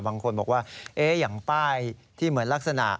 บางคนบอกว่าอย่างป้ายที่เหมือนลักษณะ